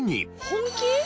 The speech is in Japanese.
本気？